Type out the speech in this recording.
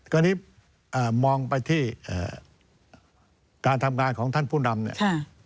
ตอนนี้มองไปที่การทำงานของท่านผู้นำเนี่ย